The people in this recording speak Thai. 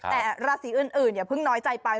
แต่ราศีอื่นอย่าเพิ่งน้อยใจไป